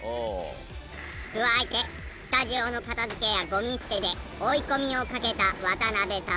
加えてスタジオの片付けやゴミ捨てで追い込みをかけた渡邊様。